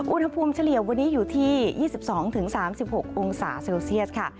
เฉลี่ยวันนี้อยู่ที่๒๒๓๖องศาเซลเซียสค่ะ